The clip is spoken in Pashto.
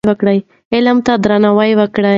علم ته درناوی وکړئ.